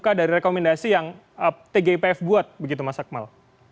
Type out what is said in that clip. apakah dari rekomendasi yang tgipf buat begitu mas akmal